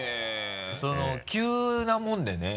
その急なもんでね。